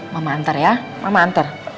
mama antar ya mama antar